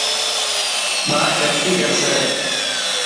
ٻاڙ غلطي ڪرسي.